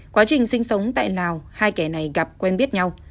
quá trình sinh sống tại lào hai kẻ này gặp quen biết nhau